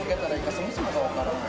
そもそもがわからない。